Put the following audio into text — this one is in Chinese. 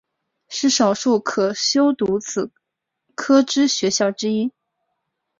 是少数可修读此科之学校之一。